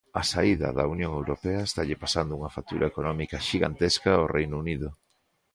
A saída da Unión Europea estalle pasando unha factura económica xigantesca ao Reino Unido.